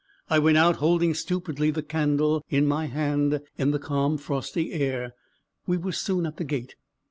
I went out, holding stupidly the candle in my hand in the calm frosty air; we were soon at the gate.